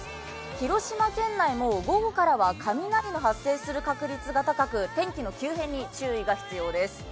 広島県内も午後からは雷の発生する確率が高く天気の急変に注意が必要です。